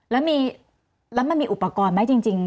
แล้วมันมีอุปกรณ์ไหมจริง